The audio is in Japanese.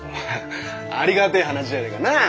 ありがてえ話じゃねえか。なあ？